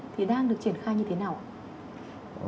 thì đang được triển khai như thế nào